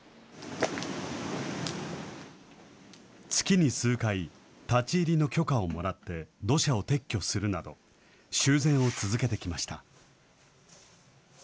月に数回、立ち入りの許可をもらって土砂を撤去するなど、修繕を続けてきました。